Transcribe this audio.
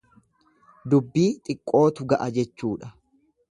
Dubbii xiqqootu ga'a jechuudha.